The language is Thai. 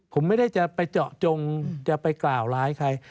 ผมไม่ได้จะไปเจาะจงจะไปกล่าวร้ายใคร